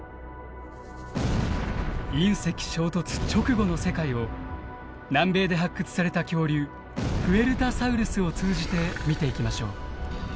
隕石衝突直後の世界を南米で発掘された恐竜プエルタサウルスを通じて見ていきましょう。